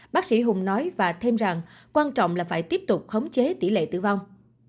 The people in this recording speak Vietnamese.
bác sĩ hùng nói và thêm rằng quan trọng là phải tiếp tục khống chế tỷ lệ tử vong